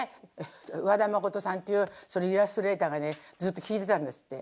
和田誠さんっていうイラストレーターがねずっと聴いてたんですって。